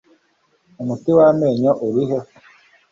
umuti wamenyo urihe